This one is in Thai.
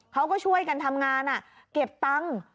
เขาก็ช่วยกันทำงานเก็บตังค์